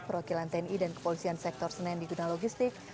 perwakilan tni dan kepolisian sektor senen di gudang logistik